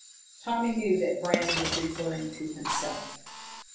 Tommy knew that Bram was referring to himself.